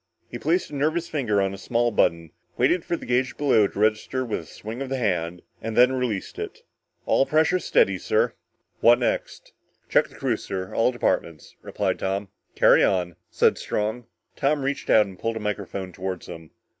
He placed a nervous finger on a small button, waited for the gauge below to register with a swing of the hand, and then released it. "All pressures steady, sir." "What next?" "Check the crew, sir all departments " replied Tom. "Carry on," said Strong. Tom reached out and pulled a microphone toward him.